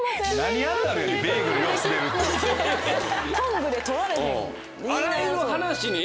トングで取られへん。